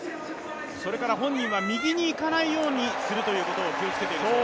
本人は右に行かないようにすることを気をつけています。